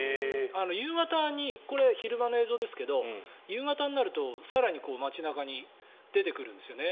夕方にこれは昼間の映像ですが夕方になると更に街中に出てくるんですよね。